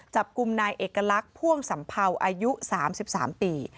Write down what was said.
จับกลุ่มนายเอกลักษณ์พ่วงสัมเภาอายุ๓๓ปี